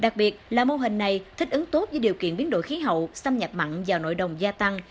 đặc biệt là mô hình này thích ứng tốt với điều kiện biến đổi khí hậu xâm nhập mặn vào nội đồng gia tăng